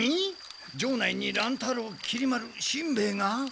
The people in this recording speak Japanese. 城内に乱太郎きり丸しんべヱが？